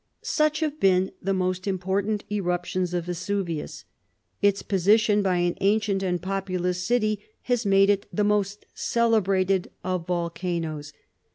Such have been the more important eruptions of Vesuvius. Its position, by an ancient and populous city, has made it the most celebrated of volcanoes.